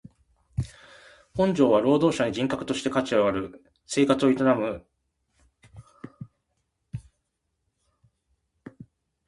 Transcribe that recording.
本条は労働者に人格として価値ある生活を営む必要を充すべき労働条件を保障することを宣明したものであつて本法各条の解釈にあたり基本観念として常に考慮されなければならない。